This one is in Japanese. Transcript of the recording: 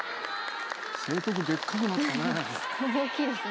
成徳でっかくなったね。